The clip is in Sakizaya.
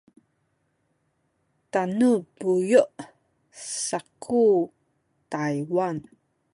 tanu buyu’ saku Taywan